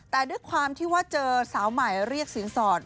แต่ด้วยความที่ว่าเจอสาวใหม่เรียกสินสอด